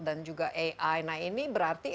dan juga ai nah ini berarti